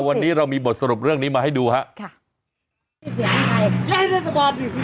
วันนี้เรามีบทสรุปเรื่องนี้มาให้ดูฮะค่ะ